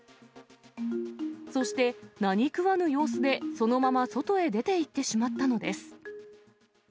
そして何食わぬ様子でそのまま外へ出て行ってしまったのです。